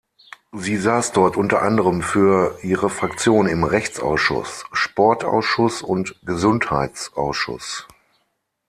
Sie saß dort unter anderem für ihre Fraktion im Rechtsausschuss, Sportausschuss und Gesundheitsausschuss.